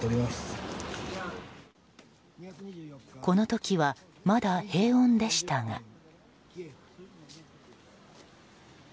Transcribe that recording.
この時はまだ平穏でしたが。